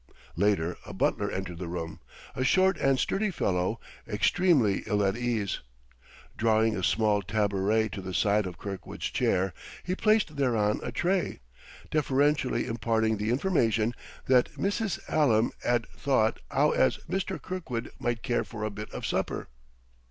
Later, a butler entered the room; a short and sturdy fellow, extremely ill at ease. Drawing a small taboret to the side of Kirkwood's chair, he placed thereon a tray, deferentially imparting the information that "Missis 'Allam 'ad thought 'ow as Mister Kirkwood might care for a bit of supper."